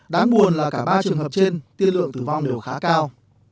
đáng buồn là cả ba trường hợp trên tiên lượng tử vong đều khá cao